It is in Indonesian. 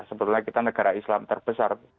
sebetulnya kita negara islam terbesar